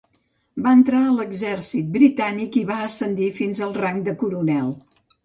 Va entrar a l'exèrcit britànic i va ascendir fins al rang de coronel.